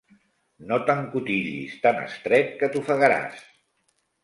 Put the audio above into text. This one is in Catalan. No t'encotillis tan estret, que t'ofegaràs!